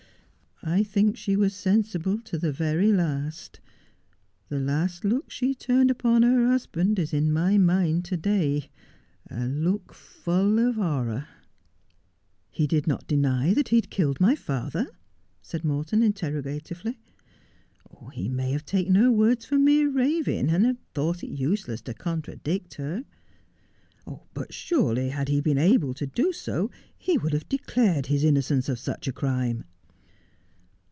I think she was sensible to the very last. The last look she turned upon her husband is in my mind to day — a look full of horror.' ' He did not deny that he had killed my father 1 ' said Morton interrogatively. ' He may have taken her words for mere raving, and have thought it useless to contradict her.' ' But surely had he been able to so he would have declared his innocence of such a crime.'